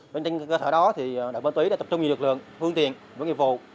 bên trên cơ sở đó thì đội ma túy đã tập trung nhiều lực lượng phương tiện và nghiệp vụ